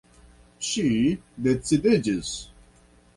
Ŝi decidiĝis.